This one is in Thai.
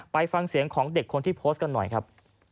ฟังเสียงของเด็กคนที่โพสต์กันหน่อยครับ